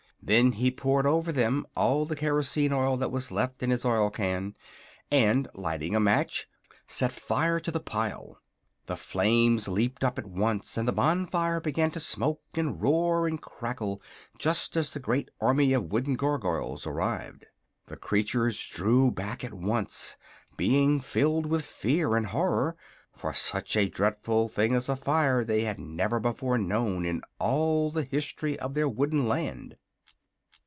Then he poured over them all the kerosene oil that was left in his oil can, and lighting a match set fire to the pile. The flames leaped up at once and the bonfire began to smoke and roar and crackle just as the great army of wooden Gargoyles arrived. The creatures drew back at once, being filled with fear and horror; for such a dreadful thing as a fire they had never before known in all the history of their wooden land.